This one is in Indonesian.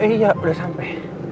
iya udah sampai